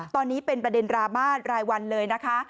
ตอนนี้เป็นประเด็นดราม่ารายวันเลยนะคะ